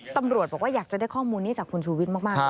ตำรวจบอกว่าอยากจะได้ข้อมูลนี้จากคุณชูวิทย์มาก